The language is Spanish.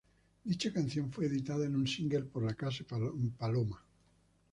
Dicha canción fue editada en un single por la casa Paloma.